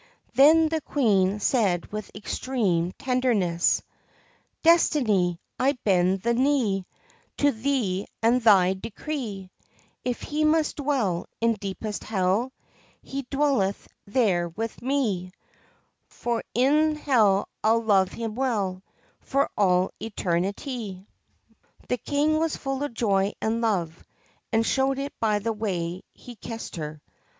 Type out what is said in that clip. Then the Queen said with extreme tenderness :' Destiny I I bend the knee To thee and thy decree : If he must dwell in deepest hell He dwelleth there with me, For e'en in hell I'll love him well For all eternity.' The King was full of joy and love, and showed it by the way he kissed her.